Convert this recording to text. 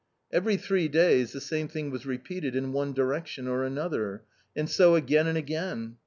Every three days, the same thing was repeated in one direction or another. And so again and again.